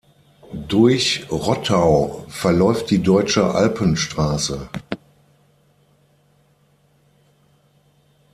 Durch Rottau verläuft die Deutsche Alpenstraße.